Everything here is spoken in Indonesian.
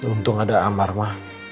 untung ada amar ma